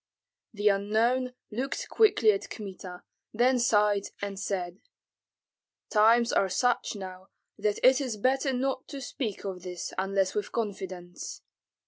The unknown looked quickly at Kmita, then sighed and said, "Times are such now that it is better not to speak of this unless with confidants."